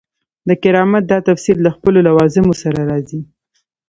د کرامت دا تفسیر له خپلو لوازمو سره راځي.